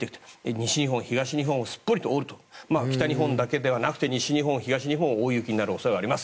西日本、東日本をすっぽりと覆って北日本だけでなく東日本、西日本で大雪となる恐れがあります。